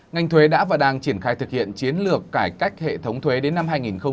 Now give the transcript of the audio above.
ngành thuế đã và đang triển khai thực hiện chiến lược cải cách hệ thống thuế đến năm hai nghìn hai mươi